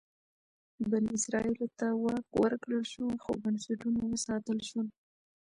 بني اسرائیلو ته واک ورکړل شو خو بنسټونه وساتل شول.